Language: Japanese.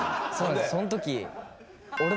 その時。